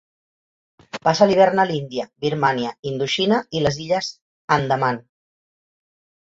Passa l'hivern a l'Índia, Birmània, Indoxina i les illes Andaman.